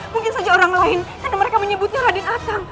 mungkin saja orang lain karena mereka menyebutnya raden atam